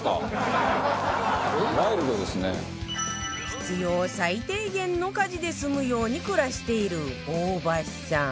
必要最低限の家事で済むように暮らしている大場さん